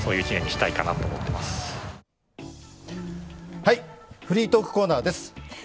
はい、フリートークコーナーです。